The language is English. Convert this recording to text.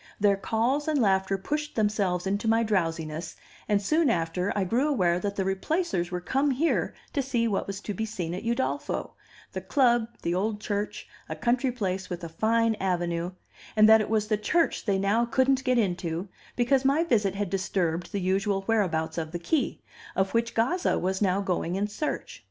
Their calls and laughter pushed themselves into my drowsiness, and soon after I grew aware that the Replacers were come here to see what was to be seen at Udolpho the club, the old church, a country place with a fine avenue and that it was the church they now couldn't get into, because my visit had disturbed the usual whereabouts of the key, of which Gazza was now going in search.